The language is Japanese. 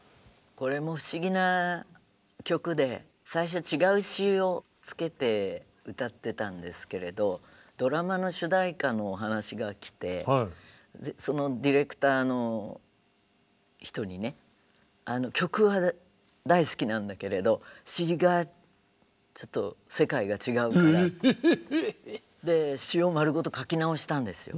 これも不思議な曲で最初は違う詞をつけて歌ってたんですけれどドラマの主題歌のお話が来てそのディレクターの人にね「曲は大好きなんだけれど詞がちょっと世界が違うから」で詞を丸ごと書き直したんですよ。